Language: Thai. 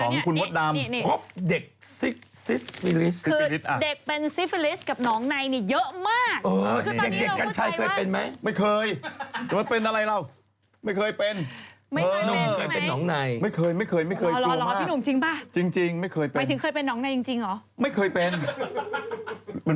นี่ไงอันนี้ข่าวของใครของพี่